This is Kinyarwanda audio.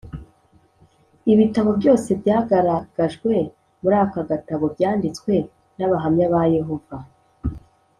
Ibitabo byose byagaragajwe muri aka gatabo byanditswe n’Abahamya ba Yehova